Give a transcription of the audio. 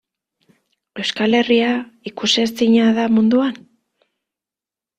Euskal Herria ikusezina da munduan?